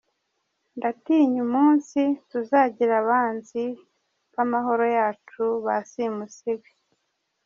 Ndatinya umunsi, tuzagira abanzi b’ amahoro yacu ba simusiga.